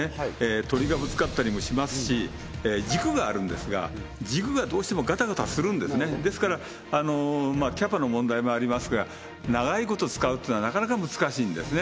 鳥がぶつかったりもしますし軸があるんですが軸がどうしてもガタガタするんですねですからキャパの問題もありますが長いこと使うというのはなかなか難しいんですね